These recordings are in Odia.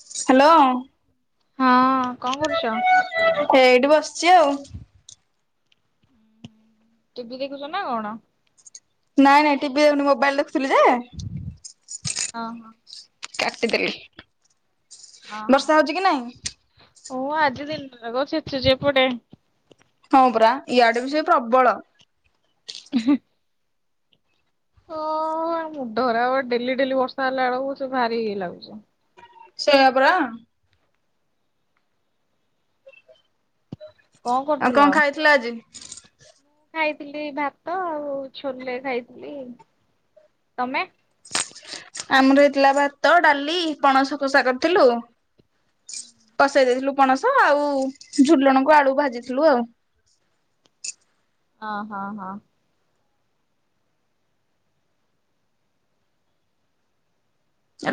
ହ୍ୟାଲୋ। ହଁ କଣ କରୁଛ? ଏଇଠି ବସିଛି ଆଉ। ଟିଭି ଦେଖୁଛ ନା କଣ? ନାଇଁ ନାଇଁ ଟିଭି ଦେଖୁନି ମୋବାଇଲ ଦେଖୁଥିଲି ଯେ ହଁ ହଁ। ଚାଟି ଦେଲି। ଓହୋ ଓ ଆଜି ଦିନରେ କ ଛେଚୁଛି ଏପଟେ। ହଁ ପରା ଇଆଡେ ବି ସେଇ ପ୍ରବଳ। ହ ଓ ମୁଣ୍ଡର ଖରାପ ଡେଲି ଡେଲି ବର୍ଷା ହେଲା ବେଳକୁ ସେ ଭାରି ଇଏ ଲାଗୁଛି। ସେୟା ପରା। କଣ ଆଉ କରୁଥିଲ କଣ ଖାଇଥିଲ ଆଜି? ଖାଇଥିଲି ଭାତ ଆଉ ଛୋଲେ ଖାଇଥିଲି ତମେ? ଆମର ହେଇଥିଲା ଭାତ ଡାଲି ପଣସ କସା କରିଥିଲୁ। କଷେଇ ଦେଇଥିଲୁ ପଣସ ଆଉ ଝୁଲଣକୁ ଆଳୁ ଭାଜିଥିଲୁ ଆଉ। ହଁ ହଁ ହଁ।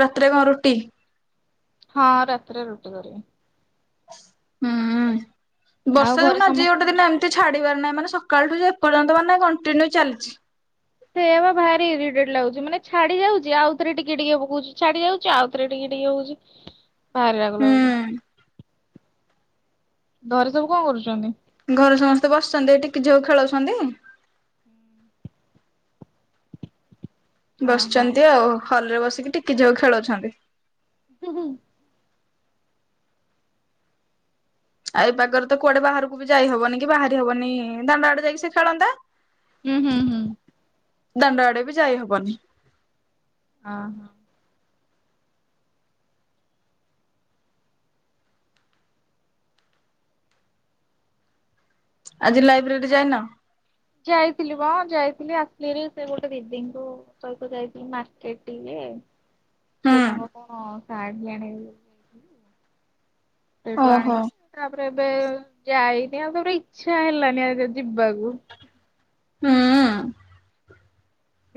ରାତିରେ କଣ ରୁଟି? ହଁ ରାତିରେ ରୁଟି କରିବି। ହୁଁ ଆଉ ବର୍ଷା ଘରେ ଦେଖୁନୁ ଆଜି ସମସ୍ତେ କଣ ଗୋଟେ ଦିନ କରୁଛନ୍ତି? ଏମିତି ଛାଡ଼ିବାର ନାହିଁ ମାନେ ସକାଳଠୁ ଏର୍ଯ୍ୟନ୍ତ ମାନେ କଣ୍ଟିନ୍ୟୁ ଚାଲିଛି। ସେୟାବା ଭାରି ଇରିଟେଡ ଲାଗୁଛି ମାନେ ଛାଡି ଯାଉଛି ଆଉଥରେ ଟିକେ ଟିକେ ପକଉଛି ଛାଡି ଯାଉଛି ଆଉଥରେ ଟିକେ ଟିକେ ହଉଛି। ଭାରି ରାଗ ହୁଁ ଲାଗୁଛି। ଘରେ ସବୁ କଣ କରୁଛନ୍ତି? ଘରେ ସମସ୍ତେ ବସିଛନ୍ତି ଟିକି ଝିଅ କୁ ଖେଳଉଛନ୍ତି। ହଁ ବସିଛନ୍ତି ଆଉ ହଲ ରେ ବସିକି ଟିକି ଝୁଅ କୁ ଖେଳଉଛନ୍ତି। ଉଁ ହୁଁ। ଏଇ ପାଗରେ ତ କୁଆଡେ ବାହାରକୁ ବି ଯାଇ ହବନି କି ବାହାରି ହବନି ଦାଣ୍ଡ ଆଡେ ଯକି ସେ ଖେଳନ୍ତା ହୁଁ ହୁଁ ହୁଁ। ଦଣ୍ଡ ଆଡେ ବି ଯାଇ ହବନି। ହଁ ହଁ। ଆଜି ଲାଇବ୍ରେରୀ ଯାଇନ? ଯାଇଥିଲି ବା ଯାଇଥିଲି ଆସିଲିଣି ସେ ଗୋଟେ ଦିଦିଙ୍କୁ ସହିତ ଯାଇଥିଲି ମାର୍କେଟ ଟିକେ ସେ ହୁଁ ତାଙ୍କ କଣ ଶାଢୀ ଆଣି ସେଇଠୁ ଓହୋ ଆଣିଲେ ତାପରେ ଏବେ ଯାଇନି ଆଉ ତାପରେ ଇଛା ହେଲାନି ଆଉ ଯିବାକୁ। ହୁଁ।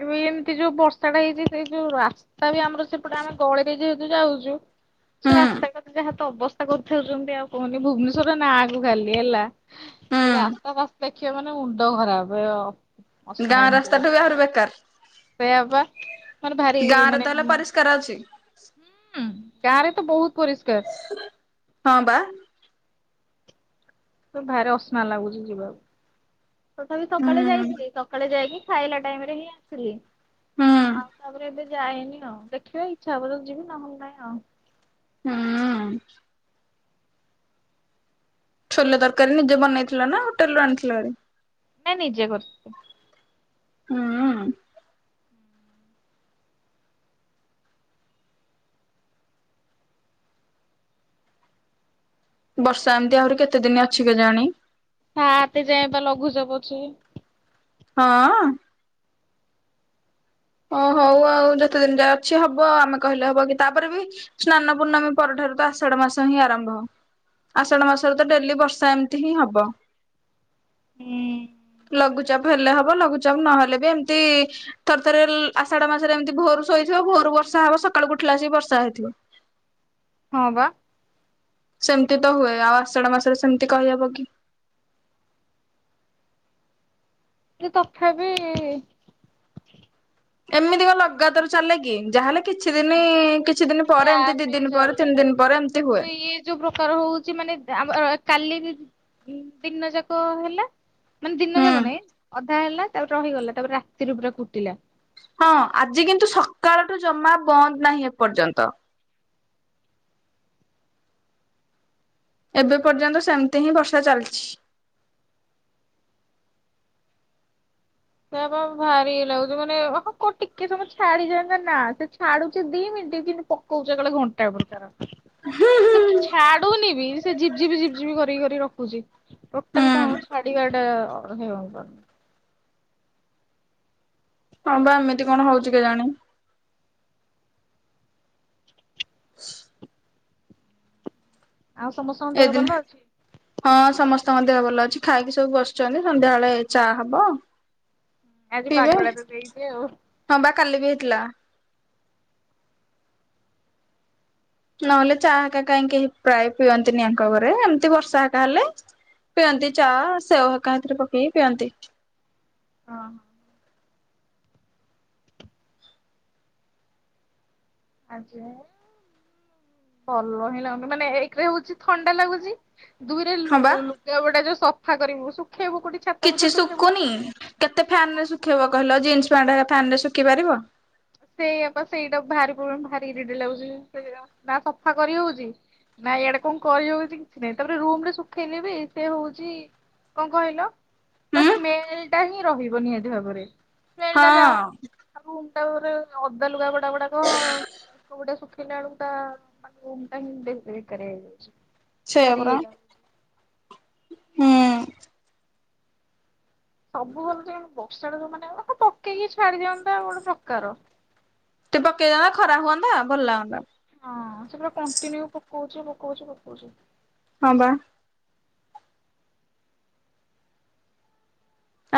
ଏ ଏମିତି ଯୋଉ ବର୍ଷା ଟା ହେଇଛି ସେଇ ଯୋଉ ରା ତା ବି ଆମର ସେପଟେ ଆମେ ଗଳିରେ ଯେହେତୁ ଯାଉଛୁ ହୁଁ ସେ ରାସ୍ତା କଥା ଯାହା ତ ଅବସ୍ଥା କରିଥାଉଛନ୍ତି ଆଉ କୁହନି ଭୁବନେଶ୍ଵର ନାଁ କୁ ଖାଲି ହେଲା। ହୁଁ ଏଇ ରାସ୍ତା ଫାସ୍ତା ଦେଖିବ ମାନେ ମୁଣ୍ଡ ଖରାପ। ଗାଁ ରାସ୍ତା ଠୁ ବି ଆହୁରି ବେକାର। ସେଆ ବା ମାନେ ଭାରି ମାନେ କରାଉଛି ହୁଁ ଗାଁରେ ତ ବହୁତ ପରିଷ୍କାର। ହଁ ବା ତ ଭାରି ଅସ୍ନା ଲାଗୁଛି ଯିବାକୁ ତଥାପି ହୁଁ ସକାଳେ ଯାଇଥିଲି ସକାଳେ ଯାଇକି ଖାଇଲା ଟାଇମରେ ହିଁ ଆସିଲି ହୁଁ ଆଉ ତାପରେ ଏବେ ଯାଏନି ଆଉ ଦେଖିବା ଇଛା ହବ ତ ଯିବି ନହେଲେ ନାଇଁ ଆଉ। ହଁ ଛୋଲେ ତରକାରୀ ନିଜେ ବନେଇଥିଲା ନା ହୋଟେଲ ରୁ ଆଣିଥିଲଭାରି ନାଁ ନିଜେ କରଥି ହୁଁ ବର୍ଷା ଏମିତି ଆହୁରି କେତେ ଦିନ ଅଛି କେଜାଣି ସାତେ ଯାଏଁ ବା ଲଘୁଚାପ ଅଛି। ହଁ ଓଁ ହଉ ଆଉ ଯେତେ ଦିନ ଯାଏ ଅଛି ହବ ଆମେ କହିଲେ ହବ କି ତାପରେ ବି ସ୍ନାନ ପୂର୍ଣ୍ଣମୀ ପରଠାରୁ ତ ଆଷଢ ମାସ ହିଁ ଆରମ୍ଭ। ଆଷାଢ ମାସରେ ତ ଡେଲି ବର୍ଷା ଏମିତି ହିଁ ହବ। ହୁଁ। ଲଘୁଚାପ ହେଲେ ହବ ଲଘୁଚାପ ନହେଲେ ବି ଏମିତି ଥ ଥରେ ଆଷଢ ମାସରେ ଏମିତି ଭୋରରୁ ଶୋଇଥିବ ଭୋରୁ ବର୍ଷା ହବ ସକାଳୁ ଉଠିଲାବସିକି ବର୍ଷା ହେଇଥିବ। ହଁ ବା। ସେମିତି ତ ହୁଏ ଆଉ ଆଷାଢ ମାସରେ ସେମିତି କହିହବ କି। କିନ୍ତୁ ତଥାବି ଏମିତି କଣ ଲଗାତାର ଚାଲେ କି ଯାହା ହେଲେ କିଛି ଦିନ କିଛି ଦିନ ପରେ ଏମିତି ଗ୍ୟାପ ଦି ରେ ଦିନ ପରେ ଚାଲେ। ତିନି ଦିନ ପରେ ଏମିତି ହୁଏ। ସେ ଇଏ ଯୋଉ ପ୍ରକାର ହଉଛି ମାନେ ଆମର କାଲି ଦି ଦିନ ଯାକ ହେଲା। ମାନେ ଦିନ ହୁଁ ଯାକ ନାଇଁ ଅଧା ହେଲା ତାପରେ ରହିଗଲା ତାପରେ ରାତିରୁ ପୁରା କୁଟିଲା। ହଁ ଆଜି କିନ୍ତୁ ସକାଳଠୁ ଜମା ବନ୍ଦ ନାହିଁ ଏପର୍ଯ୍ୟନ୍ତ। ଏବେ ପର୍ଯ୍ୟନ୍ତ ସେମିତି ହିଁ ବର୍ଷା ଚାଲିଛି। ସେଆପା ଭାରିଇଏ ଲାଗୁଛି ମାନେ ହଁ ଟିକେ ସମୟ ଛାଡିଯାଆନ୍ତା ନା ସେ ଛାଡୁଛି ଦି ମିନିଟ କିନ୍ତୁ ପକୋ କୋଉ ଜାଗଳେ ଘଣ୍ଟାଏ ପ୍ରକାର ହୁଁ। ସେ ଛାଡୁନି ବି ସେ ଝିପି ଝିପି ଝିପି କରିକି ରଖୁଛି। ଟୋଟାଲ କଣ ଛାଡିବା ଟା ହେଇହବନି। ହଁ ବା ଏମିତି କଣ ହଉଚି କେଜାଣି। [inaudible] ଆଉ ସମସ୍ତଙ୍କ ଦେହ ଏଇଦିନ ଭଲ ଅଛି? ହଁ ସମସ୍ତଙ୍କ ଦେହ ଭଲ ଅଛି ଖାଇକି ସବୁ ବସିଛନ୍ତି ସନ୍ଧ୍ୟାବେଳେ ଚା ହବ। ଆଜି ପିଇବେ। ପାଗଟା ତ ଦେଇଛି ଆଉ। ହଁ ବା କାଲି ବି ହେଇଥିଲା। ନହେଲେ ଚା ହେକା କାହିଁକି କେହି ପ୍ରାୟ ପିଅନ୍ତିନି ଆଙ୍କ ଘରେ ଏମିତି ବର୍ଷା ଆକା ହେଲେ। ପିଅନ୍ତି ଚା ସେଓ ହେକା ହେ ଥିରେ ପକେଇକି ପିଅନ୍ତି। ହଁ। ଆଜି ଭଲ ହିଁ ଲାଗୁ ମାନେ ଏକରେ ହଉଛି ଥଣ୍ଡା ଲାଗୁଛି। ଦୁଇରେ ଲୁ ହଁ ବା ଲୁଗା ପଟା ଯୋଉ ସଫା କରିବୁ ଶୁଖେଇବୁ କୋଉଠି। ଛାତ ଫାତ କିଛି ଶୁଖେଇବୁ ଶୁଖୁନି କେତେ ଫ୍ୟାନ ରେ ଶୁଖେଇବ କହିଲ ଜିନ୍ସ ପ୍ୟାଣ୍ଟ ହେକା ଫାନ ରେ ଶୁଖି ପାରିବ। ସେଇଆପା ସେଇଟା ଭାରି ପ୍ରୋବ୍ଲେମ ଭାରି ଇରିଟେଟ ଲାଗୁଛି ସେୟା ନା ସଫା କରି ହଉଛି। ନାଇଁ ଇଆଡେ କଣ କରିହଉଛି କିଛି ନାଇଁ ତାପରେ ରୁମ ରେ ଶୁଖେଇଲେ ବି ସେ ହଉଚି କଣ କହିଲ ତା ହୁଁ ସ୍ମେଲ ଟା ହିଁ ରହିବ ନିହାତି ଭାବରେ। ସ୍ମେଲ ଟା ଯାଉ ହଁ। ଆମ [unintelligible] ଓଦା ଲୁଗା ଗୁଡା ଗୁଡାକ ହଁ ଏକ ଗୁଟେ ଶୁଖିଲା ଆଳୁକୁ ଟ ରୁମୁ ପାଇଁ ଦେଖା ଦେଖି କରିବାକୁ ଯାଉଛି। ସେୟା ପରା ହୁଁ। ସବୁ ଭଲ ଯେ ବର୍ଷାଟା ଯୋଉ ମାନେ ପକେଇକି ଛାଡି ଦେନ୍ତା ଗୋଟେ ପ୍ରକାର। ଟିକେ ପକେଇ ଦବ ଖରା ହୁଅନ୍ତା ଭଲ ଲାଗନ୍ତା। ହଁ ସେ ପୁରା କଣ୍ଟିନ୍ୟୁ ପକଉଛି ପକଉଛି ପକଉଛି। ହଁ ବା।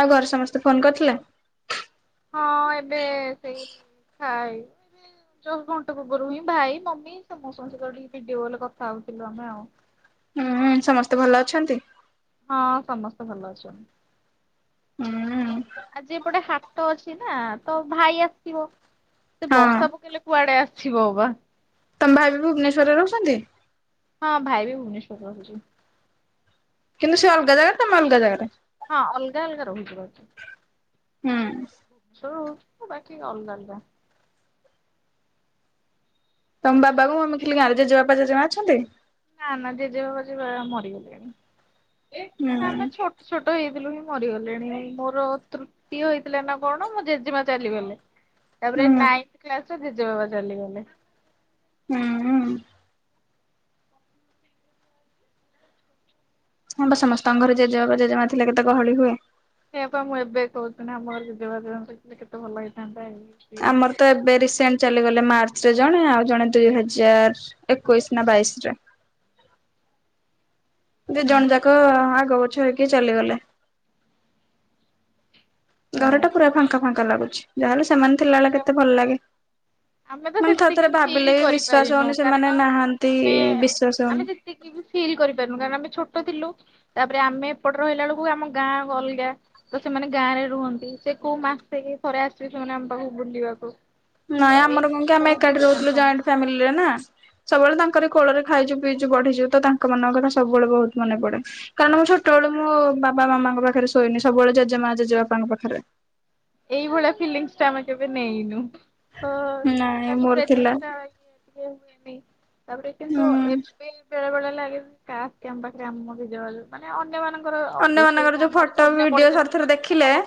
ଆଉ ଘରେ ସମସ୍ତେ ଫୋନ କରିଥିଲେ? ହଁ ଏବେ ସେଇ ଖାଇବ। ଜଷ୍ଟ୍ ଘଣ୍ଟ ପୂର୍ବରୁ ହିଁ ଭାଇ ମମି ସମସ୍ତଙ୍କ ସହିତ ଟିକେ ଭିଡିଓ କଲରେ କଥା ହଉଥିଲୁ ଆମେ ଆଉ। ହୁଁ ସମସ୍ତେ ଭଲ ଅଛନ୍ତି? ହଁ ସମସ୍ତେ ଭଲ ଅଛନ୍ତି। ହୁଁ। ଆଉ ଏଯଟେ ହାଟ ଅଛି ନା ତ ଭାଇ ଆସିଥିବ ସେ ହଁ ବର୍ଷା ପକେଇଲେ କୁଆଡେ ଆସିବ ବା। ତମ ଭାଇ ବି ଭୁବନେଶ୍ୱରରେ ରହୁଛନ୍ତି? ହଁ ଭାଇ ବି ଭୁବନେଶ୍ୱରରେ ରହୁଛି। କିନ୍ତୁ ସେ ଅଲଗା ଜାଗାରେ ତମେ ଅଲଗା ଜାଗାରେ? ହଁ ଅଲଗା ଅଲଗା ରହୁଛି ବାକି। ହୁଁ। ଛ ହଉଛି ନା ବାକି ଅଲଗା ଅଲଗା। ତମ ବାବା କୁ ମମି ଥିଲେ ଗାଁରେ ଜେଜେ ବାପାେ ଜେଜେ ମା ଅଛନ୍ତି? ନା ନା ଜେଜେ ବାବାଜେ ମରିଗଲେଣି। ଆମେ ହୁଁ। ଛୋଟ ଛୋଟ ହେଇଥିଲୁ ହିଁ ମରିଗଲେଣି ଆଉ ମୋର ତୃ ସିଏ ହେଇଥିଲେ ନା କଣ ମୋ ଜେଜେମା ଚାଲିଗଲେ। ତାପରେ ହୁଁ ନାଇଥି କ୍ଲାସରେ ଜେଜେ ବାବା ଚାଲିଗଲେ। ହୁଁ। ହଁ ବା ସମସ୍ତଙ୍କ ଘରେ ଜେଜେ ବାପା ଜେଜେମା ଥିଲା କେତେ ଗହଳି ହୁଏ। ସେଇଆପା ମୁଁ ଏବେ କହୁଥିଲି ନା ଆମ ଘରେ ଜେଜବା ଜେମା କେତେ ଭଲ ହେଇଥାନ୍ତାଇ। ଆମର ତ ଏ ଏ ରିସେଣ୍ଟ ଚାଲିଗଲେ ମାର୍ଚ୍ଚ ରେ ଜଣେ ଆଉ ଜଣେ ଦୁଇ ହଜାର ଏକୋଇଶି ନା ବାଇଶି ରେ। ହ ଦି ଜଣ ଯାକ ଆଗ ପଛ ହେଇକି ଚାଲିଗଲେ। ଘର ସେଇଆ ଟା ପୁରା ଫାଙ୍କା ଫାଙ୍କା ଲାଗୁଛି ଯାହାହେଲେ ସେମାନେ ଥିଲା ବଳେ କେତେ ଭଲ ଲାଗେ। ଆମେ ତ ମାନେ ଥର ସେତିକି ଥରେ ଫିଲ୍ ଭାବିଲେ ବି ବିଶ୍ଵାସ କରିପାରିନୁ ହଉନି କାରଣ ସେମାନେ ନାହାନ୍ତି ଆମେ ବିଶ୍ଵାସ ଆମେ ହଉନି। ସେତିକି ବି ଫିଲ୍ କରିପାରୁନୁ କାରଣ ଆମେ ଛୋଟ ଥିଲୁ। ତାପରେ ଆମେ ଏପଟରେ ରହିଲା ବେଳକୁ ଆମ ଗାଁ ଅଲଗା। ତ ସେମାନେ ଗାଁ ରେ ରୁହନ୍ତି ସେ କୋଉ ମାସେି ଥରେ ଆସିବେ ସେମାନେ ଆମ ପାଖକୁ ବୁଲିବାକୁ। ନାଇଁ ତ ଏଇ ଆମର କଣ କି ଆମେ ବହୁତ ଏକାଠି ଡିଷ୍ଟାନ୍ସ ରହୁଥିଲୁ ଜଏଣ୍ଟ ଆମ ଫାମିଲିରେ ନା। ସବୁବେଳେ ତାଙ୍କର କୋଳରେ ଖାଇଛୁ ପିଇଛୁ ବଢିଛୁ ତ ତାଙ୍କ ମାନଙ୍କ କଥା ସବୁବେଳେ ବହୁତ ମନେ ପଡେ। କାରଣ ମୁଁ ଛୋଟବେଳୁ ମୋ ବାପ ମାମାଙ୍କ ପାଖରେ ଶୋଇନି ସବୁବେଳେ ଜେମା ଜେଜେବାପାଙ୍କ ପାଖରେ ଏଇଭଳିଆ ଫିଲିଙ୍ଗସ ଟା ଆମେ କେବେ ନେଇନୁ। ହଁ ନାଇଁ ତାଙ୍କ ମୋର ଥିଲା ପ୍ରେଜେସଟା ବାକି ଟିକେ ହୁଏନି। ତାପରେ ହୁଁ କିନ୍ତୁ ଏବେ ବେଳେ ବେଳେ ଲାଗେଯେ କାସ କାମ ପାଖରେ ଆମର ବି ଜୋଗା ଜୋଗ। ମାନେ ଅନ୍ୟମାନାନଙ୍କର ଆମର ଅବଶ୍ୟ ଅନ୍ୟମାନଙ୍କର ଯୋଉ ଆମର ଫଟୋ ଥୋଡି ଭିଡିଓ ପଳେଇ ଚନ୍ତି ଥରେ ବୋଲି ଥରେ ଥୋଡି ନା ଦେଖିଲେ ସମ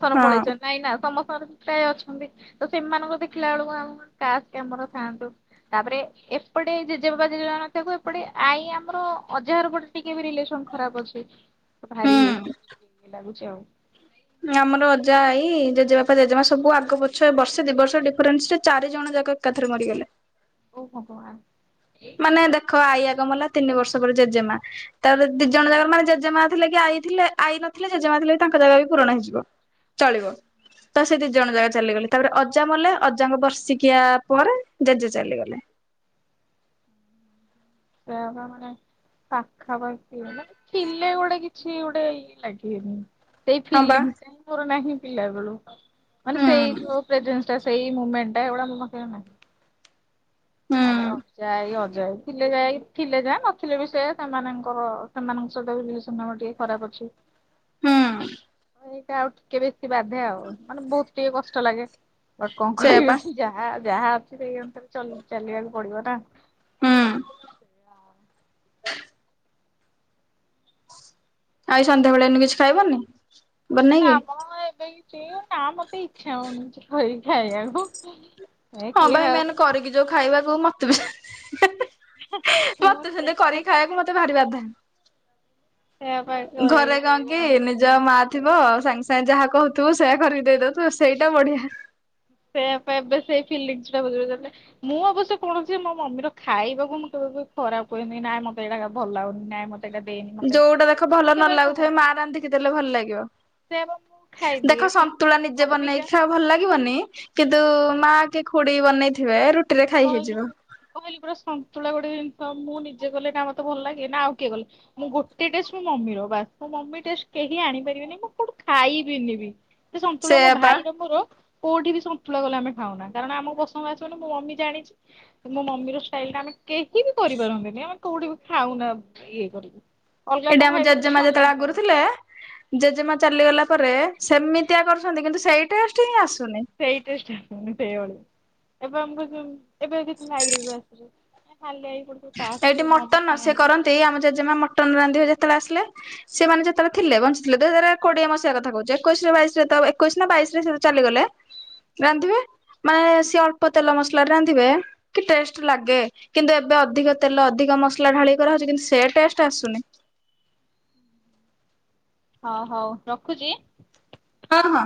ସମସ୍ତଙ୍କ ର ହଁ ପଳେଇଛନ୍ତି। ନାଇଁ ନା ସମସ୍ତଙ୍କର ପ୍ରାୟ ଅଛନ୍ତି ତ ସେମାନଙ୍କର ଦେଖିଲା ବେଳକୁ ଆମ କାସ୍ କାମର ଥାଆନ୍ତୁ। ତାପରେ ଏପଟେ ଜେଜେବାବା ଜେଜେ ମା ନଥାକୁ ଏପଟେ ଆଈ ଆମର ଅଜାହାର ପଟେ ଟିକେ ବି ରିଲେସନ ଖରାପ ଅଛି। ବାହାରି ହୁଁ ବିତ୍‌ ଲାଗୁଚି ଆଉ। ଆମର ଅଜା ଏଇ ଜେଜେବାପା ଜେଜେମା ସବୁ ଆଗ ପଛ ବର୍ଷେ ଦି ବର୍ଷ ଡିଫରେନ୍ସ ରେ ଚାରି ଜଣ ଜାକ ଏକାଥରେ ମରିଗଲେ। ଓ ଭଗବାନ। ମାନେ ଦେଖ ଆଇ ଆଗ ମଲା ତିନି ବର୍ଷ ପରେ ଜେଜେମା। ତାପରେ ଦି ଜଣ ଜାକ ମାନେ ଜେଜେମା ଥିଲେ କି ଆଇ ଥିଲେ ଆଇ ନଥିଲେ ଜେଜେମା ଥିଲେ ବି ତାଙ୍କ ଜାଗା ବି ପୂରଣ ହେଇଯିବ। ଚଳିବ। ତ ସେ ଦି ଜଣ ଜାକ ଚାଲିଗଲେ ତାପରେ ଅଜା ମଲେ ଅଜାଙ୍କ ବର୍ଷିକିଆ ପରେ ଜେଜେ ଚାଲିଗଲେ। ଦେହ ଭଲ ନାହିଁ। ପାଖାପାଖି ମାନେ ଥିଲେ ଗୋଟେ କିଛି ଗୋଟେ ଇଏ ଲାଗିବେନି। ସେଇ ହଁ ବା ଫିଲିଙ୍ଗଟା ହିଁ ମୋର ନାହିଁ ପିଲା ବେଳୁ ମାନେ ହୁଁ ସେଇ ଯୋଉ ପ୍ରେଜେଣ୍ଟସ୍‌ ଟା ସେଇ ମୁମେଣ୍ଟ ଟା ଏଗୁଡା ମୋ ପାଖରେ ଆଉ ନାହିଁ। ହୁଁ ତାପରେ ଆଉ ଯାଇ ଅଜା ଥିଲେ ଯାଇ ଥିଲେ ଯା ନଥିଲେ ବି ସେୟା ସେମାନଙ୍କର ସେମାନଙ୍କ ସହିତବି ରିଲେସନ ଆମର ଟିକେ ଖରାପ ଅଛି। ହୁଁ। ଏଇଟା ଆଉ ଟିକେ ବେଶି ବାଧେ ଆଉ ମାନେ ବହୁତ ଟିକେ କଷ୍ଟ ଲାଗେ ବଟ କଣ ସେଇଆ ପା କରିବି। ଯାହା ଯାହା ଅଛି ସେଇଅନୁସାରେ ଚଲି ଚାଲିବାକୁ ପଡିବନା। ହୁଁ। ଆଜି ସନ୍ଧ୍ୟାବେେଳେ ଏଇନୁ କିଛି ଖାଇବନି? ନା ବନେଇକି ମ ଏବେ କିଛି ନା ମତେ ଇଛା ହଉନି କିଛି କରିକି ଖାଇବାକୁ। ଏ ହଁ କିଏ ଭାଇ ମେନେ ଖାଉଛି କରିକି ଯୋଉ ଖାଇବାକୁ ମତେ ବି ମତେ ସେନ୍ତି କରିକି ଖାଇବାକୁ ମତେ ଭାରିି ବାଧେ। ସେଇଆପା ଏଇ ଚଳେଇ ଯା ମା ଥିବ ସାଙ୍ଗେ ସାଙ୍ଗେ ଯାହା କହୁଥିବ ସେୟା କରିକି ଦେଇଦଉଥିବା ସେଇଟା ବଢିଆ। ସେ ଏବେ ସେଇ ଫିଲିଙ୍ଗସ ଟା ବୁଝିପାରୁଚନ୍ତି। ମୁଁ ଅବଶ୍ୟ କୌଣସି ମୋ ମମିର ଖାଇବାକୁ ମୁଁ କେବେବି ଖରାପ କୁହେନି ନାଁ ମତେ ଏଇଟା ଭଲ ଲାଗୁନି ନାଇଁ ମତେ ସେଟା ଦେଇନି। ମତେ ଯୋଉଟା ଦେଖ ମୁଁ ଭଲ ନ କେବେ କଣ ଲାଗୁଥାଏ ମାଆ ରାନ୍ଧିକି ଦେଲେ ଭଲ ଲାଗିବ। ସେଇଆ ପା ମୁଁ ଖାଇଦିଏ ଦେଖ କିନ୍ତୁ ସନ୍ତୁଳା ନିଜେ ବନେଇକି ଅବିକା ଖାଅ ଭଲ ଲାଗିବନି। କିନ୍ତୁ ମା କି ଖୁଡି ବନେଇଥିବେ ରୁଟ୍ କହିଲି କହିଲି ପରା ସନ୍ତୁଳା ଗୋଟେ ଜିନିଷ ମୁଁ ନିଜେ କଲେ ନା ମତେ ଭଲ ଲାଗେ ନା ଆଉ କିଏ କଲେ ମୁଁ ଗୋଟେ ଟେଷ୍ଟ ମୋ ମମି ର ବାସ୍ ମୋ ମମି ଟେଷ୍ଟେ କେହି ଆଣିପାରିବିନି କି ମୁଁ କୋଉଠୁ ଖାଇବିନିିବି। ସେ ସନ୍ତୁଳା ମୋ ସେଇଆ ପା ଭାଇର ମୋର କୋଉଠି ବି ସନ୍ତୁଳା କଲେ ଆମେ ଖାଉନା କାରଣ ଆମ ପସନ୍ଦ ଆସିବନି ମୋ ମମି ଜାଣିଚି ମୋ ମମି ର ଷ୍ଟାଇଲଟା ଆମେ କେହି ବି କରିପାରନ୍ତିନି ଆମେ କୋଉଠି ବି ଖାଉନା ଇଏ କରିକି। ଅଲଗା ଏଇଟା କଣ ଆମ ଖାଇଦଉଛନ୍ତି ଜେଜେମା ସନ୍ତୁଳା ଯେତେବେଳେ ଫନ୍ତୁଳା ଆଗରୁ ଖାଉ, ଥିଲେ ଜେଜେମା ଚାଲିଗଲା ପରେ ସେମିତିଆ କରୁଚନ୍ତି କିନ୍ତୁ ସେଇ ଟେଷ୍ଟ ହିଁ ଆସୁନି। ସେଇଟେଷ୍ଟ ସେଇଭଳିଆ ଏବେ ଆମକୁ ଏବେ ଏବେ ହାଇବ୍ରିଡ ଭଳିଆ ଆସୁଚି। ମାନେ ଖାଲି ଏଇ ଗୋଟେ ଟାକ୍ସକି ମାଗିଥାନ୍ତା। ତେଇ ଆମ ଜେଜେମା ମଟନ ରାନ୍ଧିବେ ଯେତେବେଳେ ଆସିଲେ। ସିଏ ମାନେ ଯେତେବେଳେ ଥିଲେ ବଞ୍ଚିଥିଲେ ଦୁଇ ହଜାର କୋଡିଏ ମସିହା କଥା କହୁଚି ଏକୋଇଶରେ ବାଇଶରେ ତ ଏକୋଇଶ ନା ବାଇଶରେ ସେ ଚାଲିଗଲେ ରାନ୍ଧିବେ। ମାନେ ସିଏ ଅଳ୍ପ ତେଲ ମସଲା ରେ ରାନ୍ଧିବେ କି ଟେଷ୍ଟ ଲାଗେ କିନ୍ତୁ ଏବେ ଏବେ ଅଧିକ ତେଲ ଅଧିକ ମସଲା ଢାଳିିକି କରା ହଉଚି କିନ୍ତୁ ସେ ଟେଷ୍ଟ ଆସୁନି। ହଁ ହଉ ରଖୁଚି। ହଁ ହଁ।